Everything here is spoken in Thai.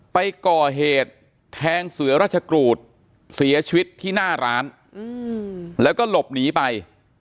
ไปก่อเหตุแทงเสือราชกรูดเสียชีวิตที่หน้าร้านแล้วก็หลบหนีไป